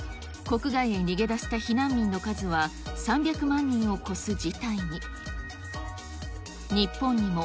国外へ逃げ出した避難民の数は３００万人を超す事態に。